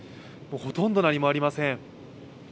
ほとんど何もありません。